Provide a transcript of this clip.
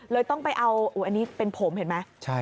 ต้องไปเอาอันนี้เป็นผมเห็นไหม